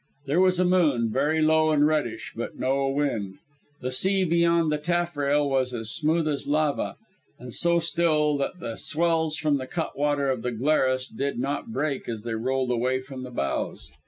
There was a moon, very low and reddish, but no wind. The sea beyond the taffrail was as smooth as lava, and so still that the swells from the cutwater of the Glarus did not break as they rolled away from the bows.